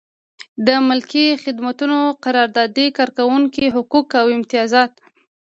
د ملکي خدمتونو قراردادي کارکوونکي حقوق او امتیازات.